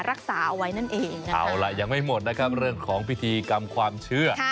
รักษาเอาไว้นั่นเองเอาล่ะยังไม่หมดนะครับเรื่องของพิธีกรรมความเชื่อ